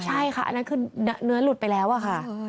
ใช่ค่ะอันนั้นคือเนื้อหลุดไปแล้วอะค่ะ